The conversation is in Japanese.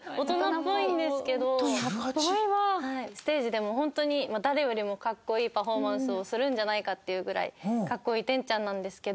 ステージでもホントに誰よりもかっこいいパフォーマンスをするんじゃないかっていうぐらいかっこいい天ちゃんなんですけど。